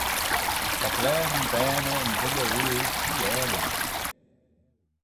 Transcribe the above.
Ta blaaghyn baney yn villey ooyl feer aalin.